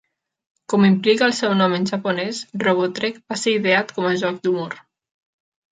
Com implica el seu nom en japonès, Robotrek va ser ideat com a joc d'humor.